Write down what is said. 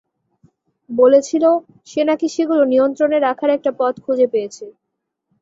বলেছিল, সে নাকি সেগুলো নিয়ন্ত্রণে রাখার একটা পথ খুঁজে পেয়েছে।